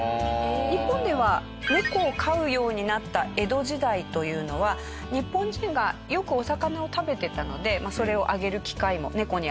日本では猫を飼うようになった江戸時代というのは日本人がよくお魚を食べてたのでそれをあげる機会も猫にあげる機会も多い。